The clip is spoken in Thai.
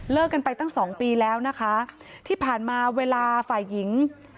กันไปตั้งสองปีแล้วนะคะที่ผ่านมาเวลาฝ่ายหญิง